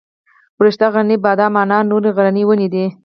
وړښتی غرنی بادام انار نورې غرنۍ ونې دي.